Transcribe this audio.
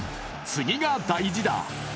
次が大事だ。